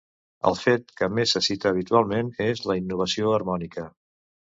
El fet que més se cita habitualment és la innovació harmònica.